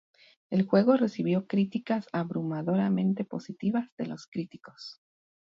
El juego recibió críticas abrumadoramente positivas de los críticos.